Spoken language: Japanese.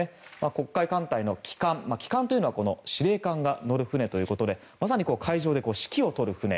黒海艦隊の旗艦旗艦というのは司令官が乗る船ということでまさに海上で指揮を執る船。